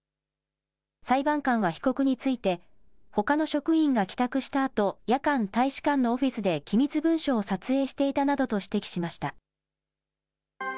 裁判官は被告について、ほかの職員が帰宅したあと、夜間、大使館のオフィスで機密文書を撮影していたなどと指摘しました。